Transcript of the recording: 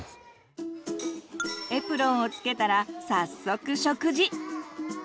エプロンをつけたら早速食事！